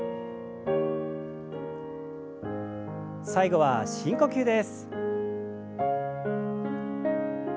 最後は深呼吸です。